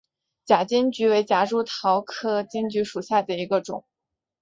假金桔为夹竹桃科假金桔属下的一个种。